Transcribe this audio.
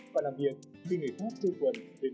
và làm việc khi người khác chơi quần đề tự ẩm